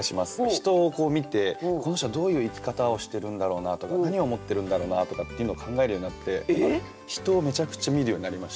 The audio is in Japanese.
人をこう見てこの人はどういう生き方をしてるんだろうなとか何思ってるんだろうなとかっていうのを考えるようになって人をめちゃくちゃ見るようになりました